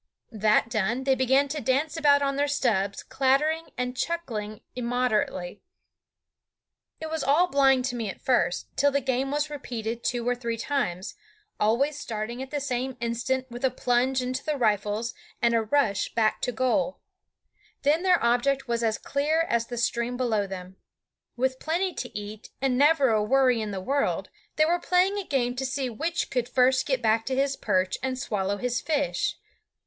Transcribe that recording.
That done, they began to dance about on their stubs, clattering and chuckling immoderately. It was all blind to me at first, till the game was repeated two or three times, always starting at the same instant with a plunge into the riffles and a rush back to goal. Then their object was as clear as the stream below them. With plenty to eat and never a worry in the world, they were playing a game to see which could first get back to his perch and swallow his fish.